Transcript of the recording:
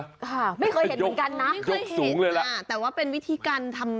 ค่ะไม่เคยเห็นเหมือนกันนะยกสูงเลยล่ะตัวว่าเป็นวิธีการทำ